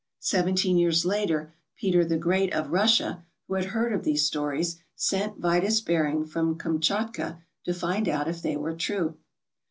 Seventeen years later Peter the Great of Russia, who had heard of these stories!, 35 ALASKA OUR NORTHERN WONDERLAND sent Vitus Bering from Kamchatka to find out if they were true.